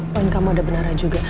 poin kamu ada beneran juga